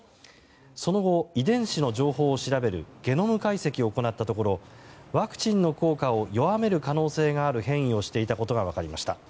その後、遺伝子の情報を調べるゲノム解析を行ったところワクチンの効果を弱める可能性がある変異をしていたことが分かりました。